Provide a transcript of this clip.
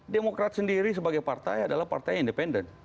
demokrat sendiri sebagai partai adalah partai independen